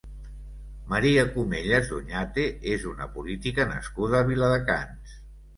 Maria Comellas Doñate és una política nascuda a Viladecans.